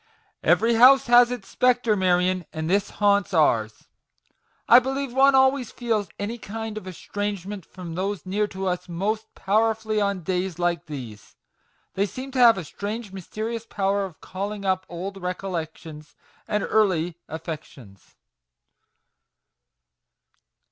" Every house has its spectre, Marion, and this haunts ours. I believe one always feels any kind of estrangement from those near to us most powerfully on days like these. They seem to have a strange mysterious power of calling up old recollections and early affections